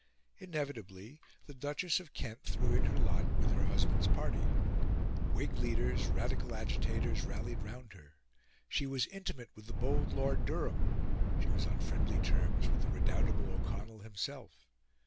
Inevitably, the Duchess of Kent threw in her lot with her husband's party; Whig leaders, Radical agitators, rallied round her; she was intimate with the bold Lord Durham, she was on friendly terms with the redoubtable O'Connell himself.